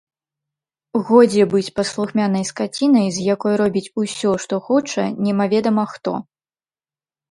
Годзе быць паслухмянай скацінай, з якой робіць усё, што хоча, немаведама хто!